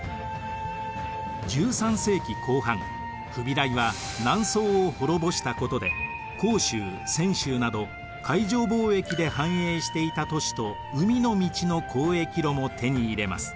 １３世紀後半フビライは南宋を滅ぼしたことで広州泉州など海上貿易で繁栄していた都市と海の道の交易路も手に入れます。